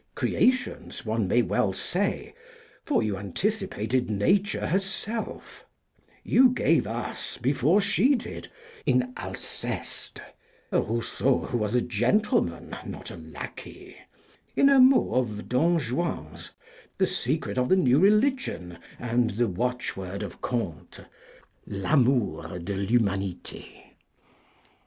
'Creations' one may well say, for you anticipated Nature herself: you gave us, before she did, in Alceste a Rousseau who was a gentleman not a lacquey; in a mot of Don Juan's, the secret of the new Religion and the watchword of Comte, l'amour de l'humanité.